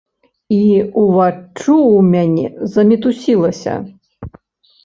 І ўваччу ў мяне замітусілася.